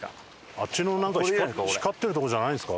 あっちのなんか光ってるとこじゃないんですか？